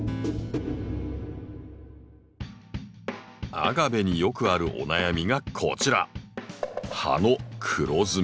アガベによくあるお悩みがこちら。